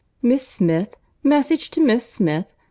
"Miss Smith!—message to Miss Smith!